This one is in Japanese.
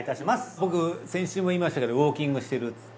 僕先週も言いましたけどウォーキングしてるっつって。